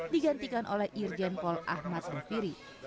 digantikan oleh irjen paul ahmad rufiri